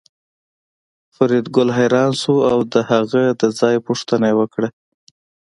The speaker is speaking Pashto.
فریدګل حیران شو او د هغه د ځای پوښتنه یې وکړه